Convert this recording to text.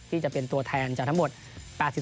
ที่จะเป็นตัวแทนจากทั้งหมด๘๓สมสอนเนี่ย